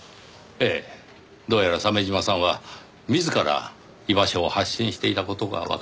ええどうやら鮫島さんは自ら居場所を発信していた事がわかりました。